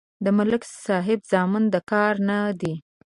د ملک صاحب زامن د کار نه دي.